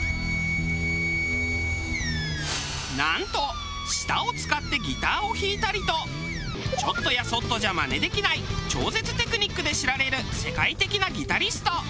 なんと舌を使ってギターを弾いたりとちょっとやそっとじゃマネできない超絶テクニックで知られる世界的なギタリスト。